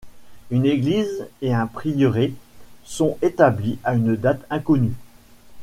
Une église et un prieuré sont établis à une date inconnue.